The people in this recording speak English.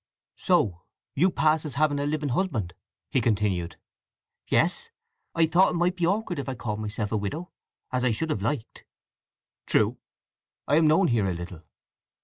"So you pass as having a living husband," he continued. "Yes. I thought it might be awkward if I called myself a widow, as I should have liked." "True. I am known here a little."